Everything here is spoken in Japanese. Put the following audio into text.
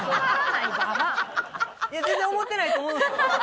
いや全然思ってないと思うんですよ。